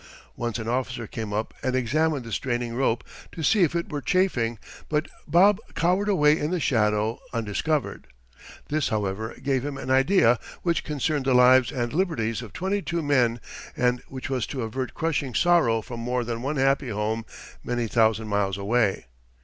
Once an officer came up and examined the straining rope to see if it were chafing, but Bub cowered away in the shadow undiscovered. This, however, gave him an idea which concerned the lives and liberties of twenty two men, and which was to avert crushing sorrow from more than one happy home many thousand miles away.